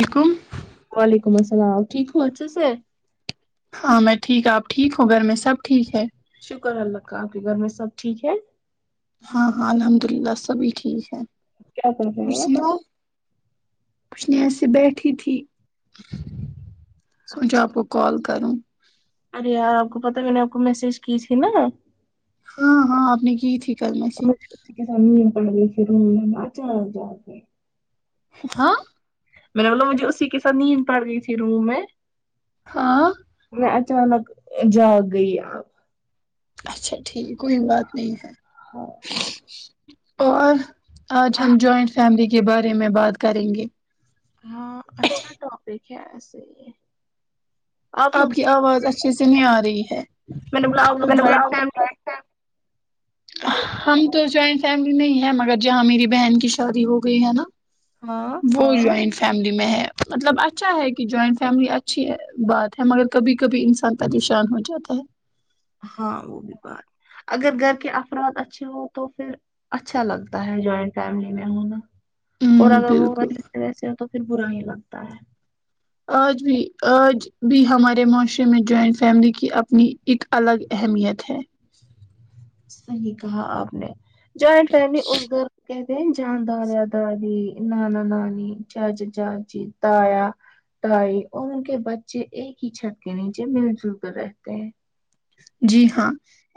وعلیکم وعلیکم السلام اپ ٹھیک ہو اچھے سے ہاں میں ٹھیک آپ ٹھیک ہوں گھر میں سب ٹھیک ہے شکر اللہ کا آپ کے گھر میں سب ٹھیک ہے ہاں ہاں الحمد اللہ سبھی ٹھیک ہے کیا کر رہے اور ہو آپ سناؤ کوشن ای سے بیٹھی تھی سوچو آپ اچھا کو کال کروں ارے آ کو پتا بھی نہیں آپ کو میسج کیسی نا ہاں ہاں آپنی کی تھیک اور مج کے سام پڑ گئی پھر میں بچان جا کے ہاں میںیر نے بولو مجھے اسی کے سھ نیند پڑ گئی تھی روم میں ہاں میں اچانک جاگ گئی آپ اچھا ٹھیک کوئی بات نہیں ہے ہاں اور آج ہم جوائنٹ فیملی کے بارے میں بات کریں گے ہاں اچھا ٹاپک ہے ایے یہ آپ کی آواز اچھے سے نہیں آ رہی ہے میں نے بولا آپ لوگ جوائنٹ فیملی ہم تو جوائنٹ فیملی میں ہے مگر جہاں میری بہن کی شادی ہو گئی ہے نا ہاں وہ جوائنٹ فیملی میں ہے مطلب اچھا ہے کہ جوائنٹ فیملی اچھی ہے بات مگر کبھی کبھی انسان پریشان ہو جاتا ہے ہاں وہ بھی بات اگر گھر کے افراد اچھے ہو تو پھر اچھا لگتا ہے جوائنٹ فیملی میں ہونا اور ہ اگر وہ بالکل وس ہو تو پھر برا ہی لگتا ہے آج بھی آج بھی ہمارے معاشرے میں جوائنٹ فیملی کی اپنی اک الگ اہمیت ہے صحیح کہا آپ نے جوائنٹ فیملی اس گھر کہتے ہیں جان دادا داد نانا نانی جاج جاجی تایا تائی اور ان کے بچے ایک ہی چھت کے نیچے مل جل کر رہتے ہیں جی ہاں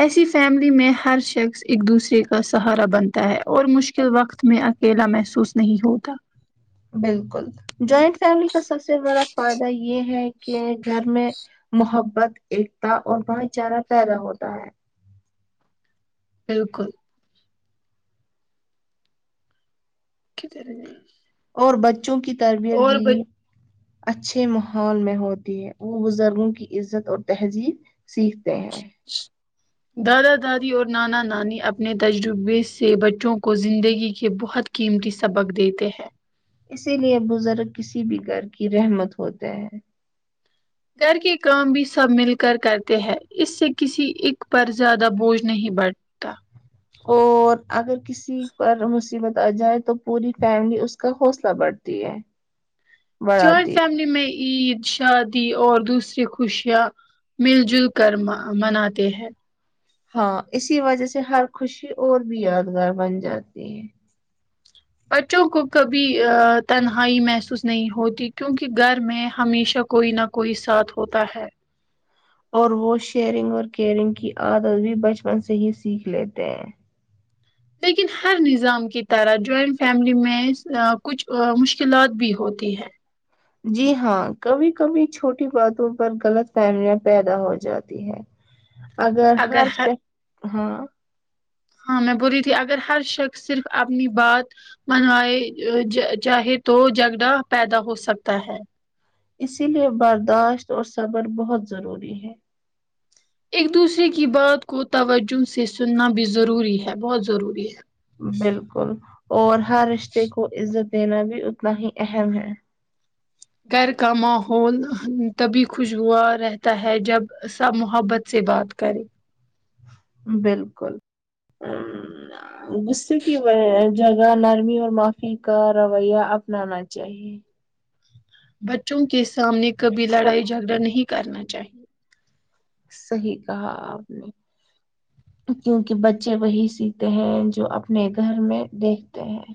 ایسی فیملی میں ہر شخص ایک دوسرے کا سہارا بنتا ہے اور مشکل وقت میں اکیلا محسوس نہیں ہوتا بالکل جوائنٹ فیملی کا سب سے بڑا فائدہ یہ ہے کہ گھر میں محبت ایکتا اور بھائی چارہ پیدا ہوتا ہے بالکل ک طر جائ اور بچوں کی تربیت بھی اچھے ماحول میں ہوتی ہے وہ بزرگوں کی عزت اور تہذیب سیکھتے ہیں دادا دادی اور نانا نانی اپنے تجربے سے بچوں کو زندگی کے بہت قیمتی سبق دیتے ہیں اسی لیے بزرگ کسی بھی گھر کی رحمت ہوتے ہیں گھر کے کام بھی سب مل کر کرتے ہیں اس سے کسی ایک پر زیادہ بوجھ نہیں بڑھ اور اگر کسی پر مصیبت آ جائے تو پوری فیملی اس کا حوصلہ بڑھتی ہے جوائنٹ بڑھاتی ہے فیملی میں عید شادی اور دوسری خوشیاں مل جل کر مناتے ہیں ہاں اسی وجہ سے ہر خوشی اور بھی یادگار بن جاتی ہے بچوں کو کبھی تنہائی محسوس نہیں ہوتی کیونکہ گھر میں ہمیشہ کوئی نہ کوئی ساتھ ہوتا ہے اور وہ شیئرنگ اور کیئرنگ کی عادت بھی بچپن سے ہی سیکھ لیتے ہیں لیکن ہر نظام کی طرح جوائنٹ فیملی میں کچھ مشکلات بھی ہوتی ہے جی ہاں کبھی کبھی چھوٹی باتوں پر غلط فہمیاں پیدا ہو جاتی ہے [inaudible] اگر ہر شک ہاں ہاں میں بوول رہی تھی اگر ہر شخص صرف اپنی بات منوائے چاہے تو جگڑا پیدا ہو سکتا ہے اسی لیے برداشت اور صبر بہت ضروری ہے ایک دوسرے کی بات کو توجہ سے سننا بھی ضروری ہے بہت ضروری ہے بالکل اور ہر رشتے کو عزت دینا بھی اتنا ہی اہم ہے گھر کا ماحول تبھی خوشبوا رہتا ہے جب سب محبت سے بات کریں بالکل ا گے کی جگہ نرمی اور معافی کا رویہ اپنانا چاہیے بچوں کے سامنے کبھی لڑائی جھگڑا نہیں کرنا چاہیے صحیح کہا آپ نے کیونکہ بچے وہی سیتے ہیں جو اپنے گھر میں دیکھتے ہیں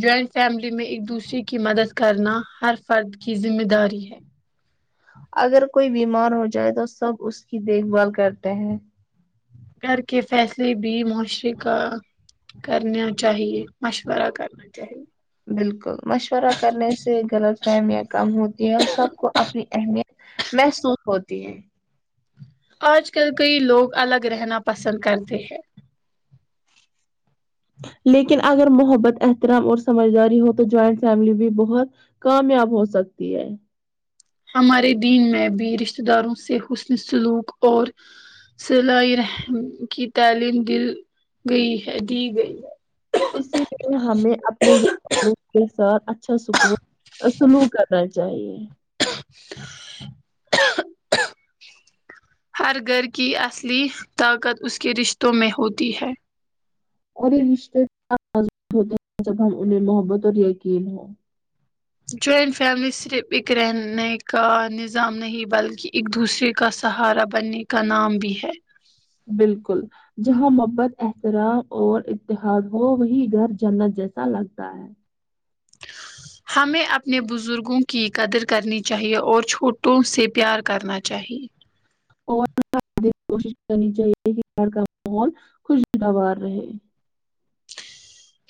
جوائنٹ فیملی میں ایک دوسرے کی مدد کرنا ہر فرد کی ذمہ داری ہے اگر کوئی بیمار ہو جائے تو سب اس کی دیکھ بھال کرتے ہیں گھر کے فیصلے بھی معاشرے کا کرنا چاہیے مشورہ کرنا چاہیے بالکل مشورہ کرنے سے غلط فہمیاں کم ہوتی ہیں اور سب کو اپنی اہمیت محسوس ہوتی ہے آج کل کئی لوگ الگ رہنا پسند کرتے ہیں لیکن اگر محبت احترام اور سمجھداری ہو تو جوائنٹ فیملی بھی بہت کامیاب ہو سکتی ہے ہمارے دین میں بھی رشتتے داروں سے حسن سلوک اور صلائی رحم کی تعلیم دل گئی ہے دی گئی ہے اسی لیے ہمیں اپنے گ کے ساتھ اچھا سکون سلوک کرنا چاہیے [inaudible] ہر گھر کی اصلی طاقت اس کے رشتوں میں ہوتی ہے اور یہ رشتے ہوتے ہیں جب ہم انہیں محبت اور یقین ہوں جوائنٹ فیملی صرف ایکک رہنے کا نظام نہیں بلکہ ایک دوسرے کا سہارا بننے کا نام بھی ہے بالکل جہاں محبت احترام اور اتحاد ہو وہی گھر جنت جیسا لگتا ہے ہمیں اپنے بزرگوں کی قدر کرنی چاہیے اور چھوٹوں سے پیار کرنا چاہیے اور کوشش کرنی چاہیے کہ گھر کا ماحول خوشگوار رہے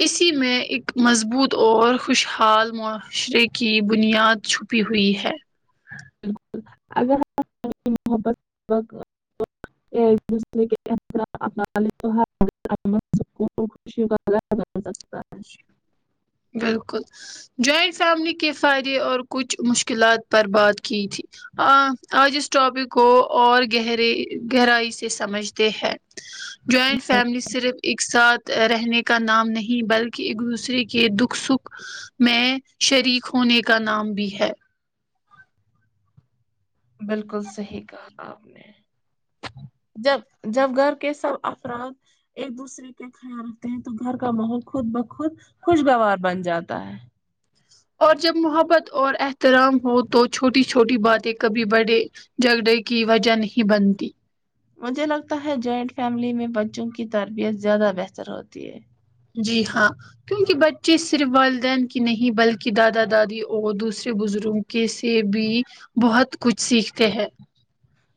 اسی میں ایک مضبوط اور خوشحال معاشرے کی بنیاد چھپ پ ہوئی ہے بالک اگر محبت الحم خوشی ہوا ہے بالکل جوائنٹ فیملی کے فائدے اور کچھ مشکلات پر بات کی تھی آ آج اس ٹاپک کو اور گہرے گہرائی سے سمجھتے ہیں جوائنٹ فیملی صرف ایک ساتھ رہنے کا نام نہیں بلکہ کہ ایک دوسرے کے دکھ سکھ میں شریک ہونے کا نام بھی ہے بالکل صحیح کہا آپ نے جب گھر کے سب افراد ایک دوسرے کے خیال رکھتے ہیں تو گھر کا ماحول خود بخود خوشگوار بن جاتا ہے اور جب محبت اور احترام ہو تو چھوٹی چھوٹی باتیں کبھی بڑھے جھگڑے کی وجہ نہیں بنتی مجھے لگتا ہے جوائنٹ فیملی میں بچوں کی تربیت زیادہ بہتر ہوتی ہے جی ہاں کیونکہ بچے صرف والدین کی نہیں بلکہ دادا دادی اور دوسرے بزرگوں سے بھی بہت کچھ سیکھتے ہیں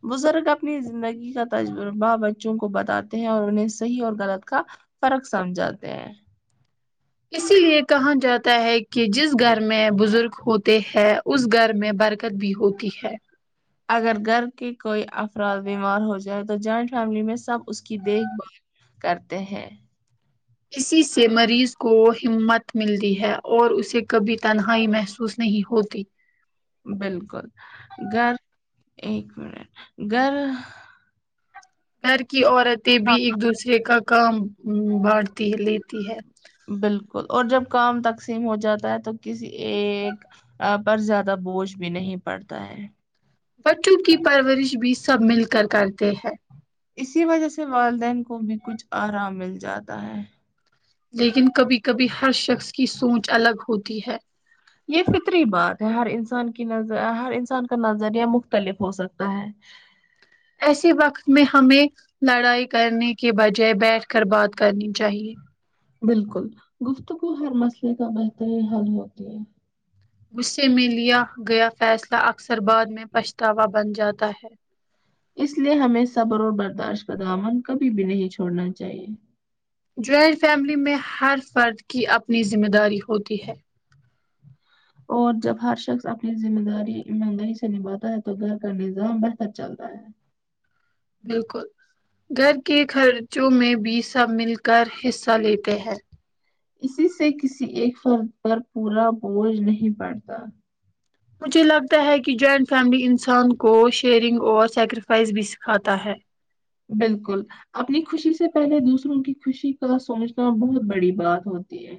بزرگ اپنی زندگی کا تجربہ بچوں کو بتاتے ہیں اور انہیں صحیح اور غلط کا فرق سمجھاتے ہیں اسی لیے کہا جاتا ہے کہ جس گھر میں بزرگ ہوتے ہیں اس گھر میں برکت بھی ہوتی ہے اگر گھر کے کوئی افراد بیمار ہو جائے تو جوائنٹ فیملی میں سب اس کی دیکھ بھال کرتے ہیں اسی سے مریض کو ہمت ملتی ہے اور اسے کبھی تنہائی محسوس نہیں ہوتی بالکل گھر ایک منٹ گھر گھر کی عورتیں بھی ہاں ایک دوسرے کا کام بانٹتی ہے لیتی ہے بالکل اور جب کام تقسیم ہو جاتا ہے تو کسی ایک پر زیادہ بوجھ بھی نہیں پڑتا ہے بچوں کی پرورش بھی سب مل کر کرتے ہیں اسی وجہ سے والدین کو بھی کچھ آرام مل جاتا ہے لیکن کبھی کبھی ہر شخص کی سوچ الگ ہوتی ہے یہ فطری بات ہے ہر انسان کی ن ہر انسان کا نظریہ مختلف ہو سکتا ہے ایسے وقت میں ہمیں لڑائی کرنے کے بجائے بیٹھ کر بات کرنی چاہیے بالکل گفتگو ہر مسئلے کا بہترین حل ہوتی ہے غصے میں لیا گیا فیصلہ اکثر بعد میں پچھتاوا بن جاتا ہے اس لیے ہمیں صبر اور برداشت کا دامن کبھی بھی نہیں چھوڑنا چاہیے جوائنٹ فیملی میں ہر فرد کی اپنی ذمہ داری ہوتی ہے اور جب ہر شخص اپنی ذمہ داری ایمانداری سے نبھاتا ہے تو گھر کا نظام بہتر چلتا ہے بالکل گھر کے خرچوں میں بھی سب مل کر حصہ لیتے ہیں اسی سے کسی ایک فرد پر پورا بوجھ نہیں پڑتا مجھے لگتا ہے کہ جوائنٹ فیملی انسان کو شیئرنگ اور سیکریفائس بھی سکھاتا ہے بالکل اپنی خوشی سے پہلے دوسروں کی خوشی کا سوچنا بہت بڑی بات ہوتی ہے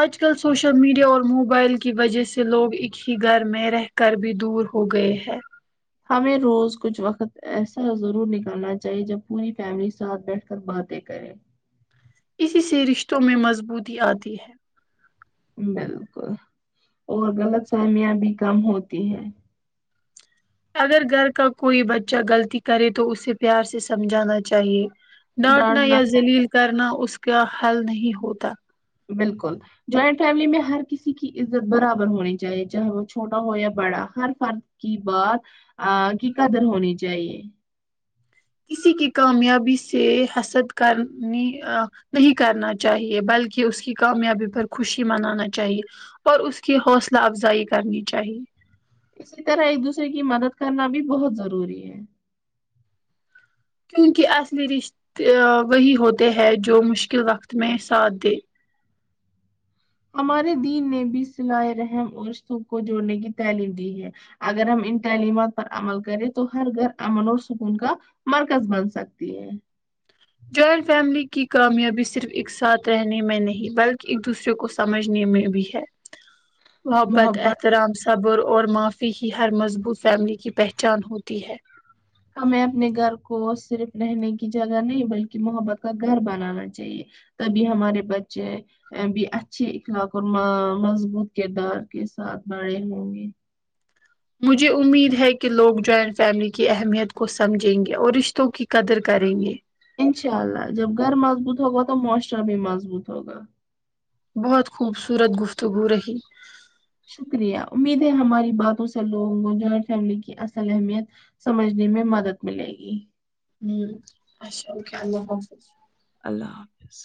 آج کل سوشل میڈیا اور موبائل کی وجہ سے لوگ ایک ہی گھر میں رہ گھر بھی دور ہو گئے ہے ہمیں روز کچھ وقت ایسا ضرور نکالنا چاہیے جب پوری فیملی ساتھ بیٹھ کر باتیں کریں اسی سے رشتوں میں مضبوطی آتی ہے بالکل اور غلط فہمیاں بھی کم ہوتی ہیں اگر گھر کا کوئی بچہ غلطی کرے تو اسے پیار سے سمجھانا چاہیے ڈانٹنا یا زلیل کرنا اس کا حل نہیں ہوتا بالکل جوائنٹ فیملی میں ہر کسی کی عزت برابر ہونی چاہیے چاہے وہ چھوٹا ہو یا بڑا ہر فرد کی بات کی قدر ہونی چاہیے کسی کی کامیابی سے حسد کرنی نہیں کرنا چاہیے بلکہ اس کی کامیابی پر خوشی منانا چاہیے اور اس کی حوصلہ افزائی کرنی چاہیے اسی طرح ایک دوسرے کی مدد کرنا بھی بہت ضروری ہے کیونکہ اصل رشتے وہی ہوتے ہیں جو مشکل وقت میں ساتھ دے ہمارے دین نے بھی صل رحم اور سکھ کو جوڑنے کی تعلیم دی ہے اگر ہم ان تعلیمات پر عمل کریں تو ہر گھر امن اور سکون کا- مرکز بن سکتی ہے- جوائنٹ فیملی کی کامیابی صرف ایک ساتھ رہنے میں نہیں بلکہ ایک دوسرے کو- سمجھنے میں بھی ہے، محبت احترام سے- صبر اور معافی ہی ہر مضبوط فیملی کی پہچان ہوتی ہے- ہمیں اپنے گھر کو صرف رہنے کی جگہ نہیں بلکہ محبت کا گھر بنانا چاہیے- تبھی ہمارے بچے- بھی اچھے اخلاق اور مضبوط کردار کے ساتھ بڑے ہوں گے- مجھے امید ہے کہ لوگ جوائنٹ فیملی کی اہمیت کو سمجھیں گے اور رشتوں کی قدر کریں گے- انشاء اللہ جب گھر مضبوط ہوگا تو معاشرہ بھی مضبوط ہوگا- بہت خوبصورت گفتگو رہی شکریہ امید ہے ہماری باتوں سے لوگوں کو جوائنٹ فیملی کی اصل اہمیت- سمجھنے میں مدد ملے گی- ہوں اچھا اوکے اللہ حافظ- اللہ حافظ-